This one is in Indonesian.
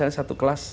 ada anak putus sekolah